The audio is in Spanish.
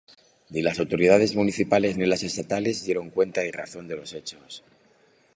Ni las autoridades municipales, ni las estatales, dieron cuenta y razón de los hechos.